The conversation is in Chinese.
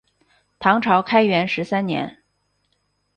唐朝开元十三年。